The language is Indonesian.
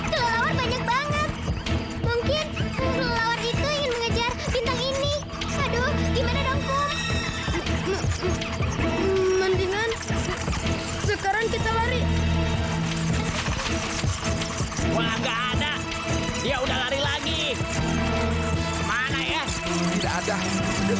sampai jumpa di video selanjutnya